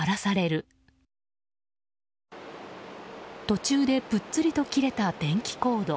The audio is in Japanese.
途中で、ぷっつりと切れた電気コード。